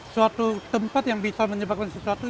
suatu tempat yang bisa menyebabkan sesuatu